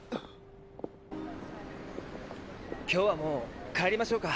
今日はもう帰りましょうか。